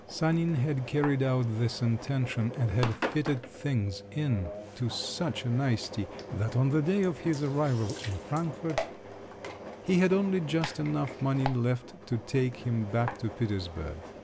Sanin had carried out this intention, and had fitted things in to such a nicety that on the day of his arrival in Frankfort he had only just enough money left to take him back to Petersburg.